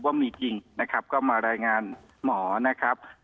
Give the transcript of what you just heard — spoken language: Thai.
ว่ามีจริงนะครับก็มารายงานหมอนะครับ